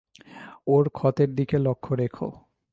ওর ক্ষতের দিকে লক্ষ্য রেখো।